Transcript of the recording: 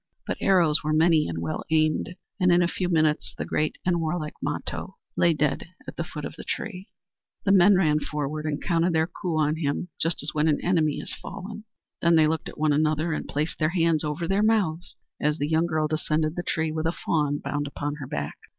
But arrows were many and well aimed, and in a few minutes the great and warlike Mato lay dead at the foot of the tree. The men ran forward and counted their coups on him, just as when an enemy is fallen. Then they looked at one another and placed their hands over their mouths as the young girl descended the tree with a fawn bound upon her back.